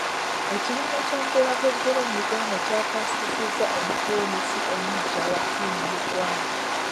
Ekibiina ky'omupiira gw'ebigere mu Uganda kyakansizza omutendesi omuggya wa ttiimu y'eggwanga.